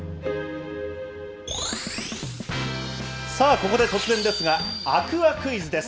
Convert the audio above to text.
ここで突然ですが、天空海クイズです。